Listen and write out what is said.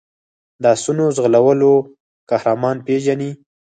د آسونو ځغلولو قهرمان پېژني.